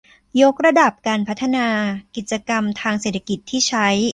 ยกระดับการพัฒนากิจกรรมทางเศรษฐกิจที่ใช้